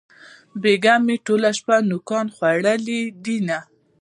بېگاه مې ټوله شپه نوکان خوړلې دينه